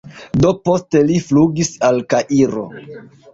Do poste li flugis al Kairo.